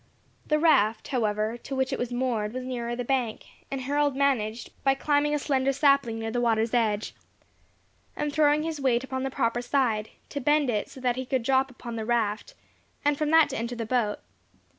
The raft, however, to which it was moored, was nearer the bank, and Harold managed, by climbing a slender sapling near the water's edge, and throwing his weight upon the proper side, to bend it so that he could drop upon the raft, and from that to enter the boat.